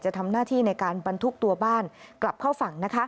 ทำหน้าที่ในการบรรทุกตัวบ้านกลับเข้าฝั่ง